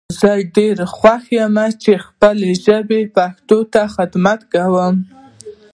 زه ډیر خوښ یم چی خپلې ژبي پښتو ته خدمت کوم